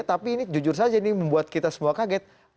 tapi ini jujur saja ini membuat kita semua kaget